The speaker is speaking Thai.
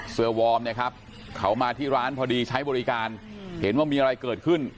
วอร์มเนี่ยครับเขามาที่ร้านพอดีใช้บริการเห็นว่ามีอะไรเกิดขึ้น